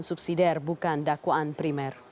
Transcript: dan subsidi dari bukan dakwaan primer